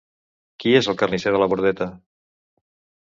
Qui és el carnisser de la Bordeta?